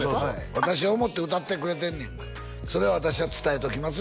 私を思って歌ってくれてんねんそれを私が伝えときます